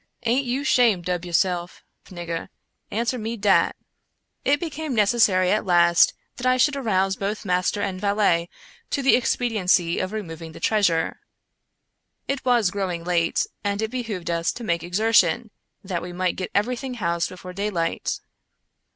Aint you shamed ob yourself, nigger? — answer me dat !" It became necessary, at last, that I should arouse both master and valet to the expediency of removing the treas ure. It was growing late, and it behooved us to make exertion, that we might get everything housed before day light.